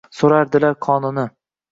So’rardilar qonini.